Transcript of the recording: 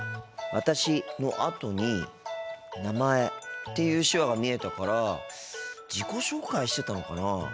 「私」のあとに「名前」っていう手話が見えたから自己紹介してたのかなあ。